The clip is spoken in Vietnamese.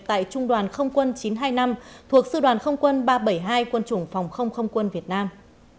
tại trung đoàn không quân chín trăm hai mươi năm thuộc sư đoàn không quân ba trăm bảy mươi hai quân chủng phòng không không quân việt nam